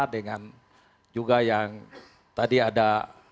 dengan juga yang tadi ada